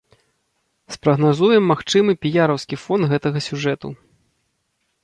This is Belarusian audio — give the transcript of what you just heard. Спрагназуем магчымы піяраўскі фон гэтага сюжэту.